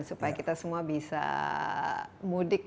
supaya kita semua bisa mudik